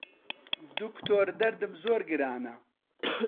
دوکتۆر دەردم زۆر گرانە